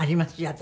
私。